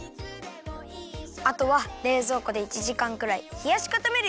あとはれいぞうこで１じかんくらいひやしかためるよ。